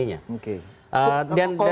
bahwa itu luar biasa rame nya